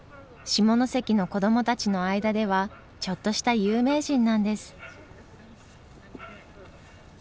下関の子どもたちの間ではちょっとした有名人なんです。